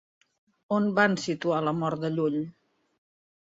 On van situar la mort de Llull?